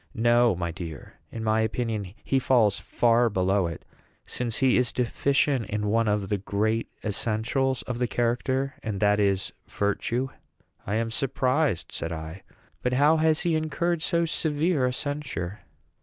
"No, my dear; in my opinion he falls far below it, since he is deficient in one of the great essentials of the character; and that is virtue." "I am surprised," said I; "but how has he incurred so severe a censure?"